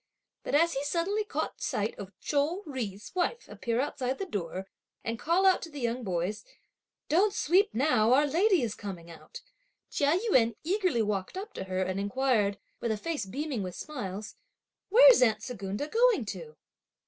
But as he suddenly caught sight of Chou Jui's wife appear outside the door, and call out to the young boys; "Don't sweep now, our lady is coming out," Chia Yün eagerly walked up to her and inquired, with a face beaming with smiles: "Where's aunt Secunda going to?"